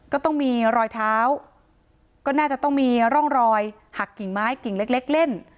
ก็ต้องมีรอยเท้าก็น่าจะต้องมีร่องรอยหักกิ่งไม้กิ่งเล็กเล่น